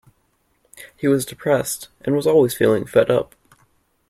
He was depressed, and was always feeling fed up.